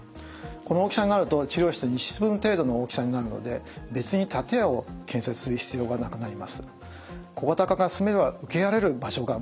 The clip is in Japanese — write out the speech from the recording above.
この大きさになると治療室２室分程度の大きさになるので別に建屋を建設する必要がなくなります。